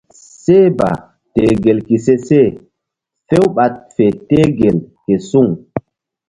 Seh ba teh gel ke se she few ɓa fe teh gel ke suŋ.